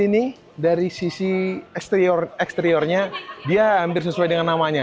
ini dari sisi eksteriornya dia hampir sesuai dengan namanya